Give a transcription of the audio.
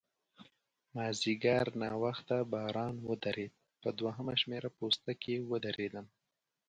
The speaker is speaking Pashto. مازیګر ناوخته باران ودرېد، په دوهمه شمېره پوسته کې ودرېدم.